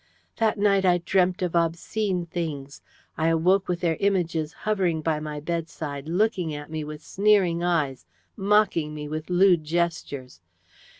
"That night I dreamt of obscene things. I awoke with their images hovering by my bedside, looking at me with sneering eyes, mocking me with lewd gestures.